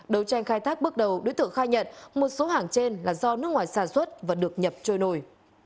đấu tranh khai thác bước đầu đối tượng khai nhận một số hàng trên là do nước ngoài sản xuất và được nhập trôi nổi